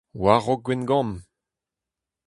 War-raok Gwengamp.